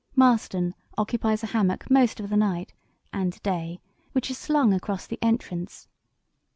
Marston occupies a hammock most of the night—and day—which is slung across the entrance.